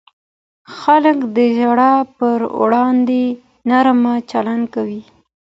خلک د ژړا پر وړاندې نرم چلند کوي.